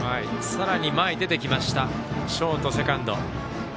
さらに前に出てきましたショート、セカンド。